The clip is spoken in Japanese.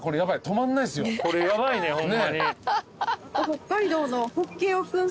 北海道の。